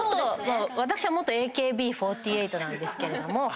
私は元「ＡＫＢ４８」なんですけれども。